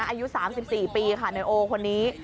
อายุ๓๔ปีค่ะนายโอคนนี้